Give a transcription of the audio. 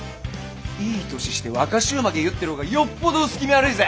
いい年して若衆髷結ってる方がよっぽど薄気味悪いぜ！